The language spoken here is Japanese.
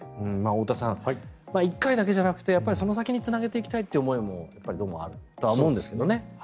太田さん１回だけじゃなくてその先につなげていきたいという思いもあるでしょうね。